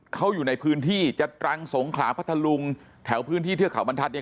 เขาอยู่ในพื้นที่จะตรังสงขลาพัทธลุงแถวพื้นที่เทือกเขาบรรทัศนเนี่ย